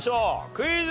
クイズ。